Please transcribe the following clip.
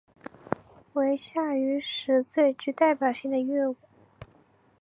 为夏禹时最具代表性的乐舞。